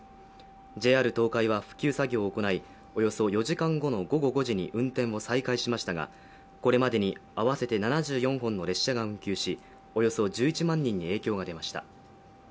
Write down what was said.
ＪＲ東海は復旧作業を行い、およそ４時間後の午後５時に運転を再開しましたが、これまでに合わせて７４本の列車が運休しおよそ１１万人に影響が出ました。